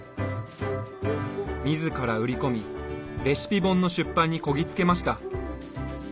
自ら売り込みレシピ本の出版にこぎつけました。